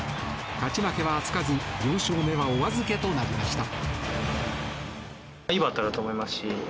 勝ち負けはつかず４勝目はお預けとなりました。